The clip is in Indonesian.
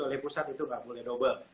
oleh pusat itu nggak boleh double